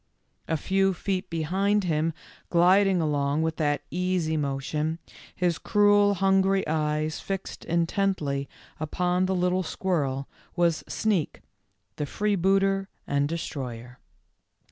A few feet behind him, gliding along with that easy motion, his cruel, hungry eyes fixed intently upon the little squirrel, was Sneak, the free booter and destroyer.